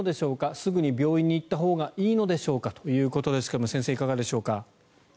すぐに病院に行ったほうがいいのでしょうか？ということですが先生、いかがでしょうか。